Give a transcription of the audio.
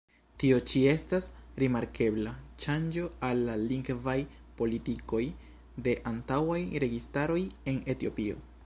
Tio ĉi estas rimarkebla ŝanĝo al la lingvaj politikoj de antaŭaj registaroj en Etiopio.